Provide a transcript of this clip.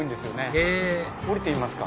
へぇ降りてみますか。